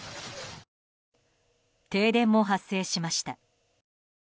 停電も発生しました。